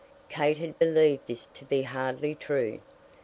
Kate had believed this to be hardly true.